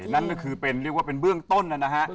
นั่นก็คือเป็นเรียกว่าเป็นเบื้องต้นนะฮะ